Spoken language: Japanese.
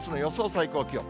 最高気温。